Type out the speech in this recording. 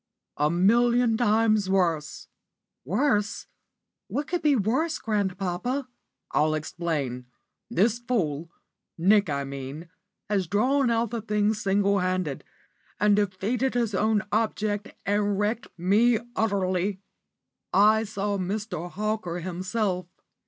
"A million times worse!" "Worse! What could be worse, grandpapa?" "I'll explain. This fool Nick, I mean has drawn out the thing single handed, and defeated his own object, and wrecked me utterly. I saw Mr. Hawker himself.